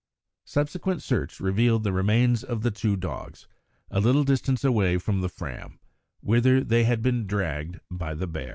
Subsequent search revealed the remains of the two dogs a little distance away from the Fram, whither they had been dragged by the bear.